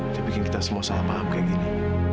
saya bikin kita semua salah paham kayak gini